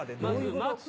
まず。